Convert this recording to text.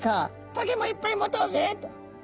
「トゲもいっぱい持とうぜ」って。